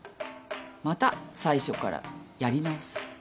また最初からやり直す。